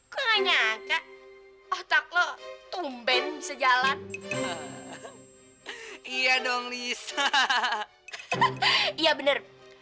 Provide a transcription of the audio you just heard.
kaya kak otak lo tumben sejalan iya dong lisa iya bener